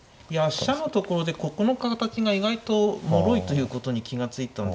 飛車のところでここの形が意外ともろいということに気が付いたんですね。